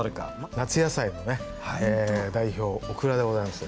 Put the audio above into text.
夏野菜のね代表オクラでございますよ。